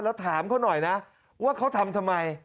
แล้วถามเขาหน่อยนะว่าเขาทำทำไม